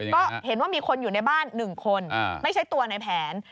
ก็เห็นว่ามีคนอยู่ในบ้าน๑คนไม่ใช่ตัวในแผน